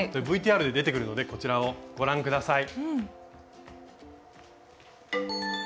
ＶＴＲで出てくるのでこちらをご覧下さい。